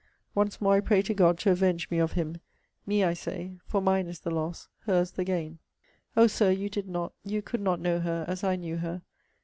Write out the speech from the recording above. Once more I pray to God to avenge me of him! Me, I say for mine is the loss her's the gain. O Sir! you did not you could not know her, as I knew her!